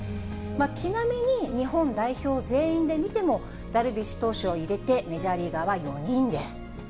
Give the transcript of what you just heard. ちなみに、日本代表全員で見ても、ダルビッシュ投手を入れて、メジャーリーガーは４人です。